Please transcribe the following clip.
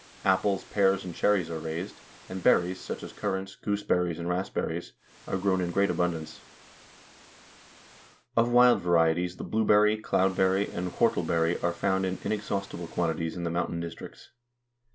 Apples, pears, and cherries are raised, and berries, such as currants, gooseberries, and raspberries, are grown in great abundance. Of wild varieties the blueberry, cloudberry, and whortleberry are found in inexhaustible quantities in the mountain districts.